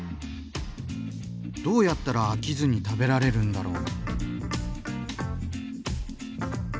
どうやったら飽きずに食べられるんだろう？